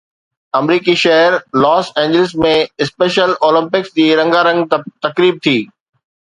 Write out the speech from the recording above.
آمريڪي شهر Los Angeles ۾ Special Olympics جي رنگارنگ تقريب ٿي